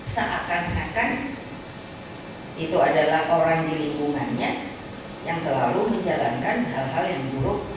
seakan akan itu adalah orang di lingkungannya yang selalu menjalankan hal hal yang buruk